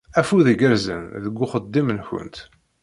Afud igerrzen deg uxeddim-nkent!